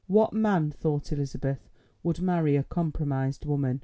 What man, thought Elizabeth, would marry a compromised woman?